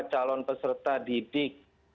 calon peserta didik